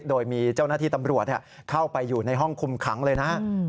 โดยมีเจ้าหน้าที่ตำรวจเข้าไปอยู่ในห้องคุมขังเลยนะฮะ